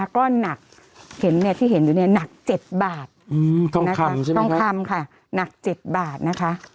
แล้วก็หนักเห็นเนี่ยที่เห็นดูเนี่ยหนัก๗บาททองคำค่ะหนัก๗บาทนะคะ